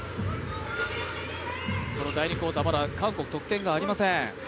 第２クオーターまだ韓国、得点がありません。